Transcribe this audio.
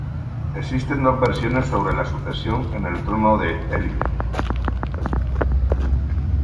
Existen dos versiones sobre la sucesión en el trono de Élide.